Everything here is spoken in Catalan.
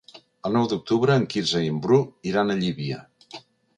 El nou d'octubre en Quirze i en Bru iran a Llívia.